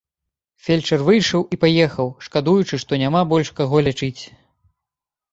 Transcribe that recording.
Фельчар выйшаў і паехаў, шкадуючы, што няма больш каго лячыць.